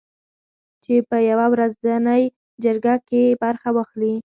چې په یوه ورځنۍ جرګه کې برخه واخلي